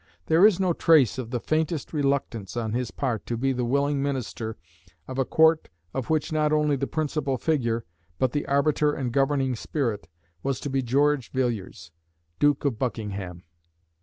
There is no trace of the faintest reluctance on his part to be the willing minister of a court of which not only the principal figure, but the arbiter and governing spirit, was to be George Villiers, Duke of Buckingham.